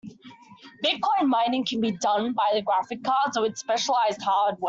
Bitcoin mining can be done with graphic cards or with specialized hardware.